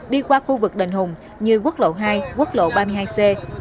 đi qua khu vực đền hùng như quốc lộ hai quốc lộ ba mươi hai c